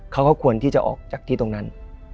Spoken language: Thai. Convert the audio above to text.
เขาก็ควรที่จะออกจากที่ตรงนั้น